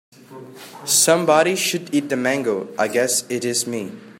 Somebody should eat the mango, I guess it is me.